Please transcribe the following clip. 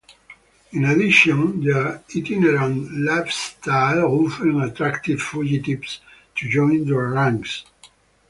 In addition, their itinerant lifestyle often attracted fugitives to join their ranks.